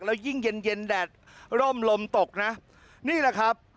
แล้วยิ่งเย็นเย็นแดดร่มลมตกนะนี่แหละครับ